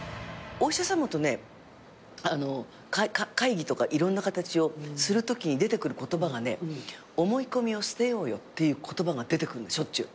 お医者さまとね会議とかいろんな形をするときに出てくる言葉がね「思い込みを捨てようよ」っていう言葉が出てくるのしょっちゅう。